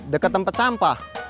deket tempat sampah